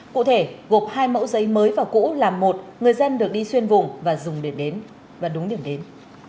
cụ thể gộp hai mẫu giấy mới và cũ làm một người dân được đi xuyên vùng và dùng đường đến